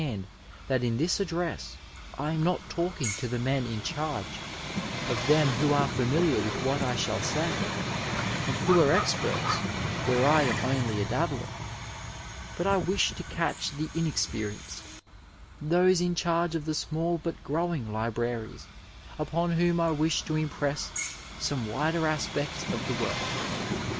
809 Digitized by Google SOME ASPECTS OP AMERICAN that in this address I am not talking to the men in charge of them who are familiar with what I shall say, and who are experts where I am only a dabbler ; but I wish to catch the inexperienced, those in charge of the small but growing libraries, upon whom I wish to impress some wider aspects of the work.